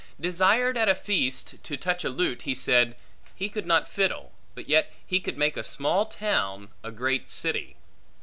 Desired at a feast to touch a lute, he said, He could not fiddle, but yet he could make a small town, a great city.